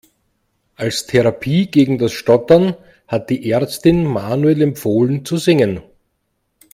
Als Therapie gegen das Stottern hat die Ärztin Manuel empfohlen zu singen.